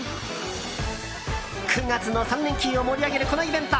９月の３連休を盛り上げるこのイベント。